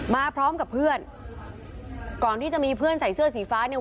มาพร้อมกับเพื่อนก่อนที่จะมีเพื่อนใส่เสื้อสีฟ้าเนี่ย